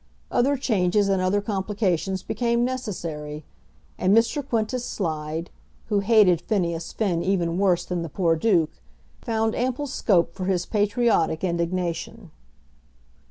Other changes and other complications became necessary, and Mr. Quintus Slide, who hated Phineas Finn even worse than the poor Duke, found ample scope for his patriotic indignation.